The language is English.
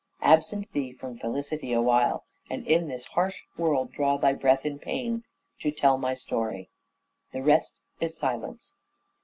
Absent thee from felicity awhile, And in this harsh world draw thy breath in pain, To tell my story. ...... The rest is silence."